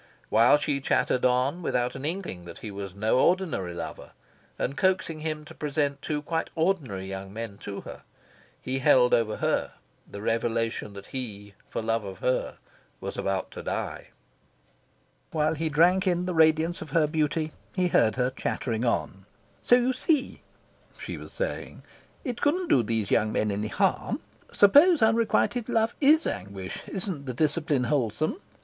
While she chattered on, without an inkling that he was no ordinary lover, and coaxing him to present two quite ordinary young men to her, he held over her the revelation that he for love of her was about to die. And, while he drank in the radiance of her beauty, he heard her chattering on. "So you see," she was saying, "it couldn't do those young men any harm. Suppose unrequited love IS anguish: isn't the discipline wholesome?